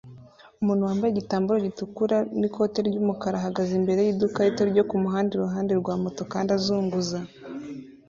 Umuntu wambaye igitambaro gitukura n'ikoti ry'umukara ahagaze imbere y'iduka rito ryo ku muhanda iruhande rwa moto kandi azunguza